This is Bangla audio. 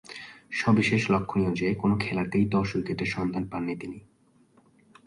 সবিশেষ লক্ষণীয় যে, কোন খেলাতেই দশ উইকেটের সন্ধান পাননি তিনি।